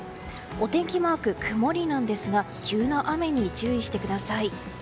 お天気マークは曇りなんですが急な雨に注意してください。